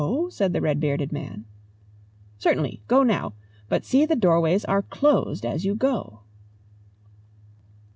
said the red bearded man. "Certainly go now. But see the doorways are closed as you go."